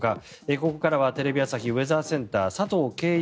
ここからはテレビ朝日ウェザーセンター佐藤圭一